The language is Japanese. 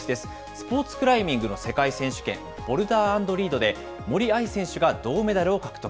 スポーツクライミングの世界選手権、ボルダー＆リードで森秋彩選手が銅メダルを獲得。